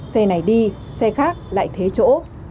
xe này đi xe khác lại thế chỗ